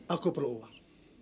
aku perlu uang